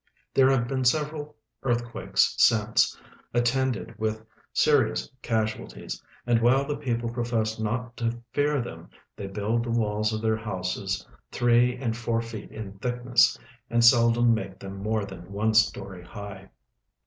There have been several earthquakes since, attended with se rious casualties, and Avhile the people profess not to fear them they build the walls of their houses three and four feet in thick ne.ss and seldom make them more than one story high.